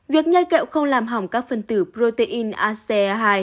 việc nhai kẹo không làm hỏng các phần tử protein ace hai